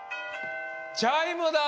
チャイムだ！